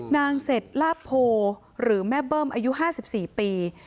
นางเศษลาโพหรือแม่เบิ้มอายุ๕๔ปี